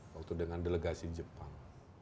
waktu dengan delegasi jepang